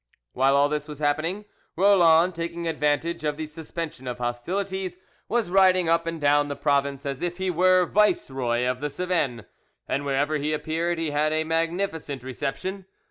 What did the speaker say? While all this was happening, Roland, taking advantage of the suspension of hostilities, was riding up and down the province as if he were viceroy of the Cevennes, and wherever he appeared he had a magnificent reception.